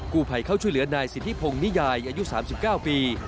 ผู้ภัยเข้าช่วยเหลือนายสิทธิพงศ์นิยายอายุ๓๙ปี